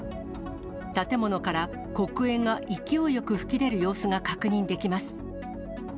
建物から黒煙が勢いよく噴き出る様子が確認できます。